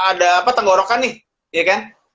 ada apa tenggorokan nih